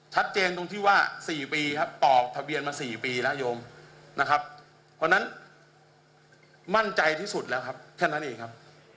ตรงที่ว่า๔ปีครับออกทะเบียนมา๔ปีแล้วโยมนะครับเพราะฉะนั้นมั่นใจที่สุดแล้วครับแค่นั้นเองครับ